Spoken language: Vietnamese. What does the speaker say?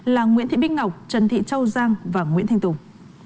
là nguyễn thị bích ngọc trần thị châu giang và nguyễn thanh tùng